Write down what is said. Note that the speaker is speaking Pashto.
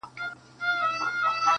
چي د ارواوو په نظر کي بند سي.